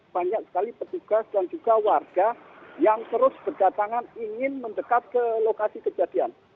banyak sekali petugas dan juga warga yang terus berdatangan ingin mendekat ke lokasi kejadian